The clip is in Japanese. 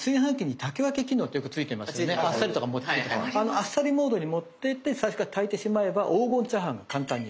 あっさりモードに持ってって最初から炊いてしまえば黄金チャーハンが簡単に。